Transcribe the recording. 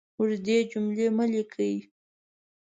اوږدې جملې مه لیکئ!